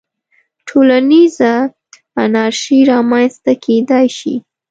ټولنیزه انارشي رامنځته کېدای شي.